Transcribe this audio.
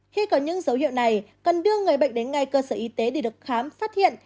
khi có những dấu hiệu này cần đưa người bệnh đến ngay cơ sở y tế để được khám phát hiện